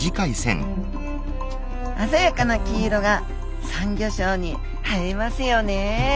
鮮やかな黄色がサンギョ礁に映えますよね